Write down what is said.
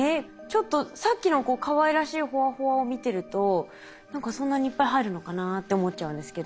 ちょっとさっきのかわいらしいほわほわを見てると何かそんなにいっぱい入るのかなって思っちゃうんですけど。